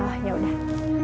ah ya udah